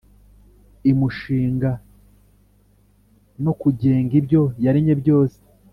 imushinga no kugenga ibyo yaremye byose.